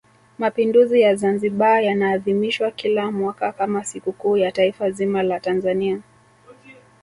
mapinduzi ya Zanzibar yanaadhimishwa kila mwaka kama sikukuu ya taifa zima la Tanzania